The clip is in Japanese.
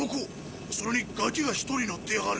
それにガキが１人乗ってやがる。